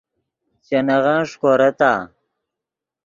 چے نغن ݰیکورتآ؟